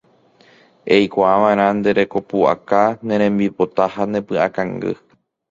Eikuaava'erã nde rekopu'aka, ne rembipota ha ne py'akangy